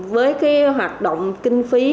với hoạt động kinh phí